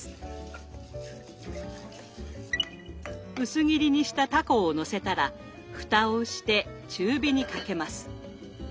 薄切りにしたたこをのせたらふたをして中火にかけます。